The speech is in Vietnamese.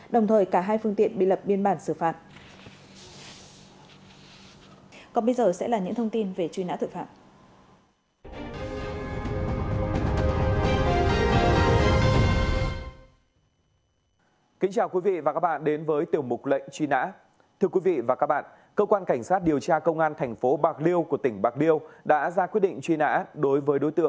đồng thời cả hai phương tiện bị lập biên bản xử phạt